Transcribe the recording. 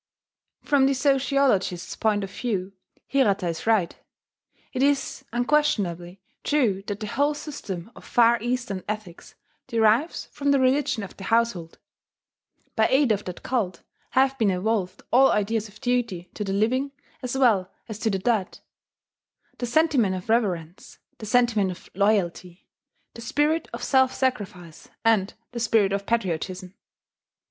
From the sociologist's point of view, Hirata is right: it is unquestionably true that the whole system of Far Eastern ethics derives from the religion of the household. By aid of that cult have been evolved all ideas of duty to the living as well as to the dead, the sentiment of reverence, the sentiment of loyalty, the spirit of self sacrifice, and the spirit of patriotism.